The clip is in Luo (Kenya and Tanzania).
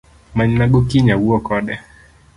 Manyna go kiny awuo kode